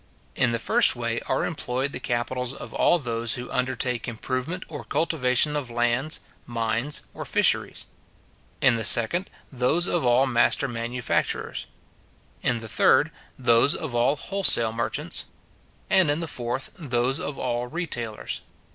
In the first way are employed the capitals of all those who undertake improvement or cultivation of lands, mines, or fisheries; in the second, those of all master manufacturers; in the third, those of all wholesale merchants; and in the fourth, those of all retailers.